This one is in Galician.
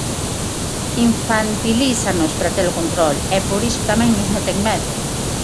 Infantilízannos para ter o control, e por iso tamén nos meten medo.